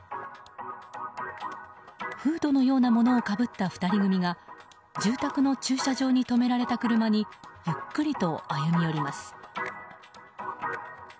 フードのようなものをかぶった２人組が住宅の駐車場に止められた車にゆっくりと歩み寄ります。